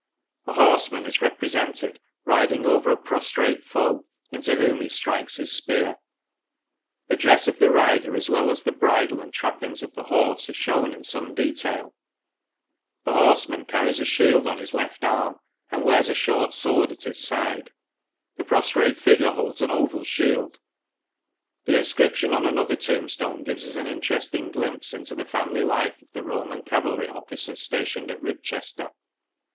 A horseman is represented riding over a prostrate foe, into whom he strikes his spear. The dress of the rider, as well as the bridle and trappings of the horse, are shewn in some detail. The horseman carries THE ROMANS IN LANCASHIRE 47 a shield on his left arm, and wears a short sword at his side. The prostrate figure holds an oval shield. The inscription on another tombstone gives us an interesting glimpse into the family life of the Roman cavalry officer stationed at Ribchester.